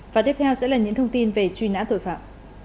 và tiếp theo sẽ là những thông tin về truy nã tội phạm